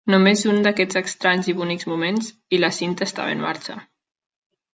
Només un d'aquests estranys i bonics moments... i la cinta estava en marxa.